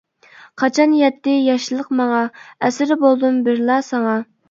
قاچان يەتتى ياشلىق ماڭا، ئەسىر بولدۇم بىرلا ساڭا.